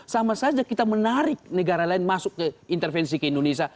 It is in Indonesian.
sama saja kita menarik negara lain masuk ke intervensi ke indonesia